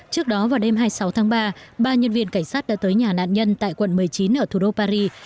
trước đó vào đêm hai mươi sáu tháng ba ba nhân viên cảnh sát đã tới nhà nạn nhân tại quận một mươi chín ở thủ đô paris